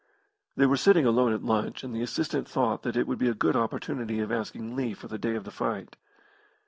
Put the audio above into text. They were sitting alone at lunch, and the assistant thought that it would be a good opportunity of asking leave for the day of the fight.